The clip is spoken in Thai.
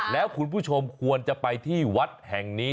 แล้วคุณผู้ชมควรจะไปที่วัดแห่งนี้